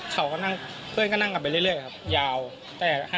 คือเพื่อนเขาก็บอกว่า